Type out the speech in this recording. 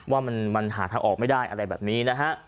ว่ามันหาทางออกไม่ได้อะไรแบบนี้นะฮะ